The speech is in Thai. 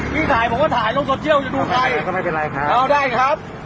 พี่ถ่ายผมว่าถ่ายสะเจี่ยวจะดูใครเอาได้ครับ